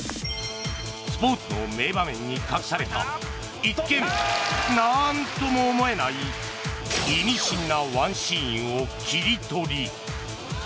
スポーツの名場面に隠された一見、何とも思えないイミシンなワンシーンを切り取り。